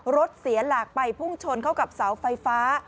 รถเสียหลักไปพุ่งชนเข้ากับเสาไฟฟ้า